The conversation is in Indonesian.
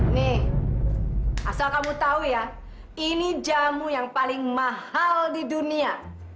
nih asal kamu tahu ya ini jamu yang paling mahal di dunia